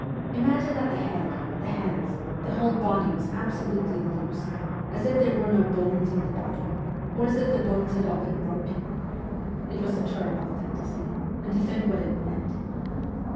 Imagine that the head, the hands, the whole body were absolutely loose, as if there were no bones in the body, or as if the bones had all been broken. It was a terrible thing to see, and to think what it meant.